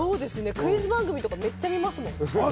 クイズ番組とかめっちゃ見ますもん。